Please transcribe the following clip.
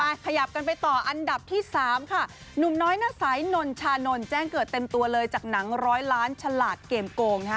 ขยับกันไปต่ออันดับที่สามค่ะหนุ่มน้อยหน้าสายนนชานนท์แจ้งเกิดเต็มตัวเลยจากหนังร้อยล้านฉลาดเกมโกงนะฮะ